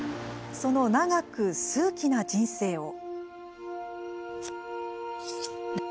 その長く数奇な人生を。